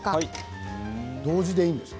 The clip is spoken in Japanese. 同時でいいんですね